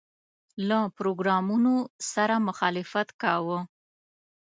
له پروګرامونو سره مخالفت کاوه.